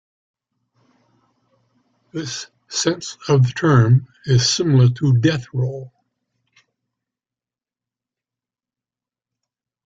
This sense of the term is similar to death roll.